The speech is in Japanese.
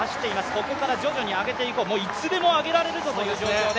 ここから徐々に上げていくいつでも上げられるぞという状況で。